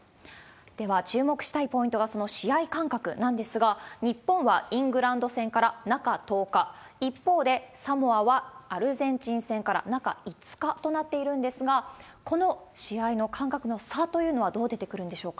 では、注目したいポイントが、その試合間隔なんですが、日本はイングランド戦から中１０日、一方で、サモアはアルゼンチン戦から中５日となっているんですが、この試合の間隔の差というのはどう出てくるんでしょうか。